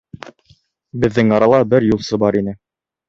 Беҙҙең арала бер юлсы бар ине.